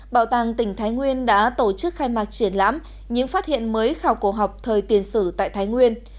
bảo tàng tỉnh thái nguyên đã tổ chức khai mạc triển lãm những phát hiện mới khảo cổ học thời tiền sử tại thái nguyên